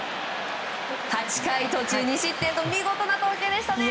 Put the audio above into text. ８回途中２失点と見事な投球でしたね。